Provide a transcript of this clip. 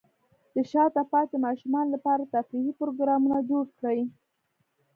د شاته پاتې ماشومانو لپاره تفریحي پروګرامونه جوړ کړئ.